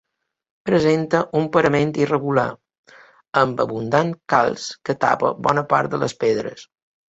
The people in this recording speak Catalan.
Presenta un parament irregular, amb abundant calç que tapa bona part de les pedres.